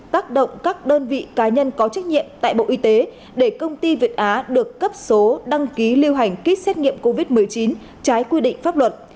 tác động các đơn vị cá nhân có trách nhiệm tại bộ y tế để công ty việt á được cấp số đăng ký lưu hành kýt xét nghiệm covid một mươi chín trái quy định pháp luật